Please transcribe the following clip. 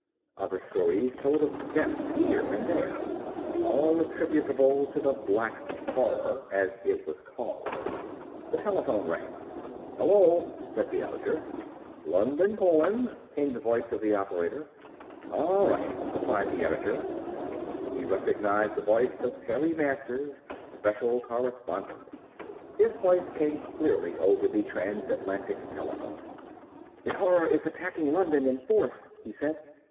Other stories told of deaths here and there, all attributable to the "Black Horror," as it was called. The telephone rang. "Hello," said the editor. "London calling," came the voice of the operator. "All right," replied the editor. He recognized the voice of Terry Masters, special correspondent. His voice came clearly over the transatlantic telephone. "The Horror is attacking London in force," he said.